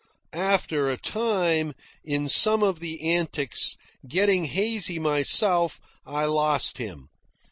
After a time, in some of the antics, getting hazy myself, I lost him.